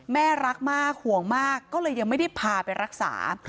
แม่รักมากห่วงมากก็เลยยังไม่ได้พาไปรักษา